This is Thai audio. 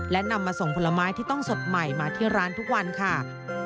และนำมาส่งผลไม้ที่ต้องสดใหม่มาที่ร้านทุกวันค่ะ